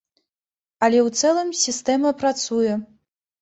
Але ў цэлым сістэма працуе.